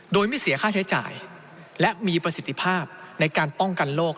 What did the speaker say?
โดยไม่เสียค่าใช้จ่ายและมีประสิทธิภาพในการป้องกันโรค